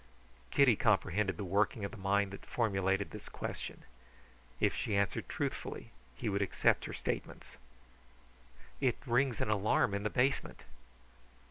Kitty comprehended the working of the mind that formulated this question. If she answered truthfully he would accept her statements. "It rings an alarm in the basement."